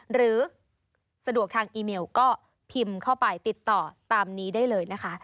หรือสะดวกทางอีเมลก็พิมพ์เข้าไปติดต่อตามนี้ได้เลยนะคะ